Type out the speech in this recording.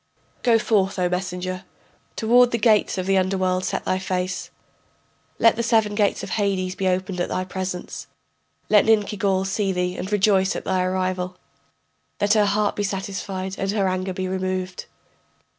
] Go forth, O messenger, Toward the gates of the underworld set thy face, Let the seven gates of Hades be opened at thy presence, Let Ninkigal see thee and rejoice at thy arrival, That her heart be satisfied and her anger be removed.